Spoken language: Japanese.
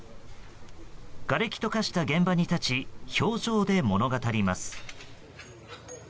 がれきと化した現場に立ち表情で物語ります。